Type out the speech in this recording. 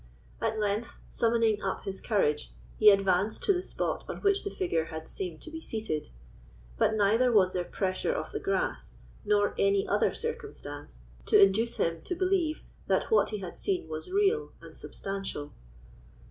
At length, summoning up his courage, he advanced to the spot on which the figure had seemed to be seated; but neither was there pressure of the grass nor any other circumstance to induce him to believe that what he had seen was real and substantial.